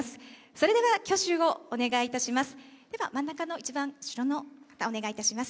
それでは挙手をお願いいたします。